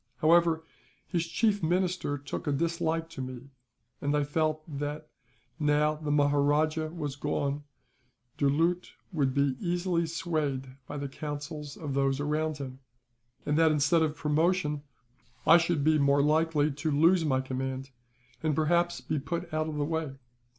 However, his chief minister took a dislike to me; and I felt that, now the Maharajah was gone, Doulut would be easily swayed by the counsels of those around him; and that instead of promotion I should be more likely to lose my command, and perhaps be put out of the way.